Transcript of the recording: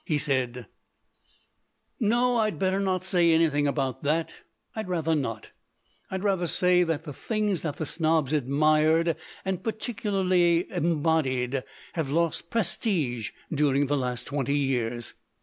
He said: "No, I'd better not say anything about that. I'd rather not. I'd rather say that the things that the snobs admired and particularly embodied have lost prestige during the last twenty years.